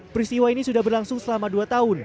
peristiwa ini sudah berlangsung selama dua tahun